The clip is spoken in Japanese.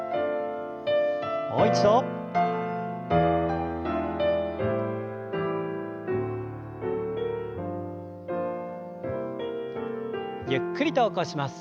もう一度。ゆっくりと起こします。